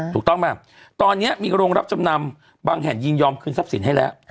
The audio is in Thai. ถูกต้องไหมตอนนี้มีโรงรับจำนำบางแห่งยินยอมคืนทรัพย์สินให้แล้ว